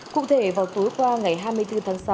cụ thể vào tối qua ngày hai mươi bốn tháng sáu